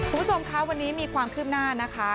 คุณผู้ชมคะวันนี้มีความคืบหน้านะคะ